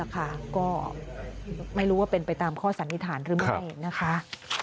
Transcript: ก็ไม่รู้ว่าเป็นไปตามข้อสันนิษฐานหรือไม่นะคะ